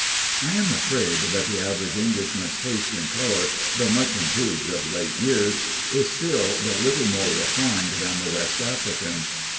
I am afraid that the average Englishman's taste in color (though much improved of late years) is still but little more refined than the West African's.